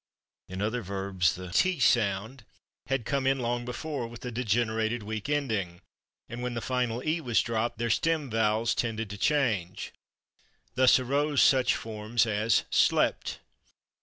In other verbs the /t/ sound had come in long before, with the degenerated weak ending, and when the final /e/ was dropped their stem vowels tended to change. Thus arose such forms as /slept